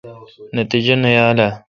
نتجہ نہ یال اؘ۔